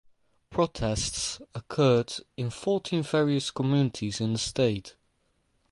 Protests occurred in fourteen various communities in the state.